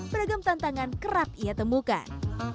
beda gem tantangan kerap ia temukan